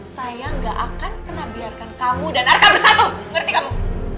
saya gak akan pernah biarkan kamu dan arka bersatu mengerti kamu